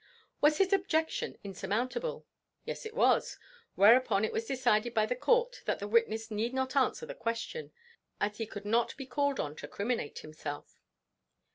Was his objection insurmountable? Yes, it was; whereupon it was decided by the court that the witness need not answer the question, as he could not be called on to criminate himself.